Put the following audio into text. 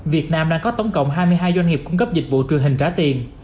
việt nam đã có tổng cộng hai mươi hai doanh nghiệp cung cấp dịch vụ truyền hình trả tiền